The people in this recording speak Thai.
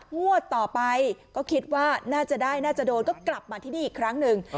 งวดต่อไปก็คิดว่าน่าจะได้น่าจะโดนก็กลับมาที่นี่อีกครั้งหนึ่ง